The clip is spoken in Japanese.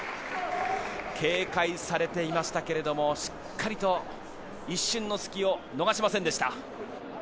警戒されていましたけれどもしっかりと一瞬の隙を逃しませんでした。